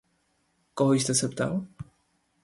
Koho jste se ptal?